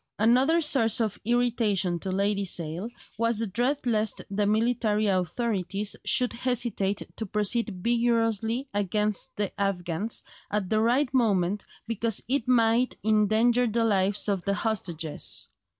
Another source of irritation to Lady Sale was the dread lest the military authorities should hesitate to proceed vigorously against the Afghans at the right moment because it might endanger the lives of the hostages.